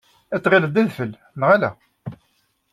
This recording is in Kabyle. Ad tɣileḍ d adfel, neɣ ala?